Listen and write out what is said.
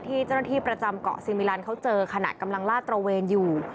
ที่เจ้าหน้าที่ประจำเกาะซีมิลันเขาเจอขณะกำลังลาดตระเวนอยู่